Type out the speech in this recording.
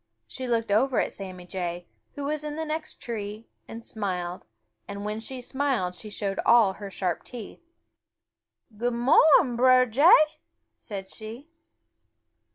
She looked over at Sammy Jay, who was in the next tree, and smiled, and when she smiled she showed all her sharp teeth. "Good mo'ning, Brer Jay," said she.